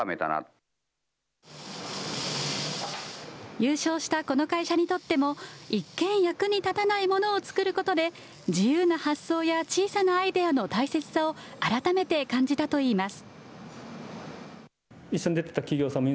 優勝したこの会社にとっても、一見、役に立たないものを作ることで、自由な発想や小さなアイデアの大切さを改めて感じたといいます。